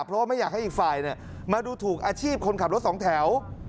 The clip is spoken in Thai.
เพราะว่าไม่อยากให้อีกฝ่ายมาดูถูกอาชีพคนขับรถสองแถว